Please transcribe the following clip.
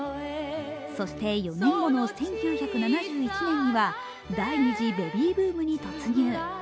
そして、４年後の１９７１年には第２次ベビーブームに突入。